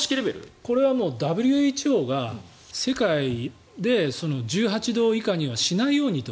これはＷＨＯが世界で１８度以下にはしないようにと。